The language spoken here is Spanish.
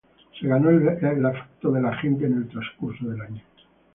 Se ganó el afecto de la gente en el transcurso del año.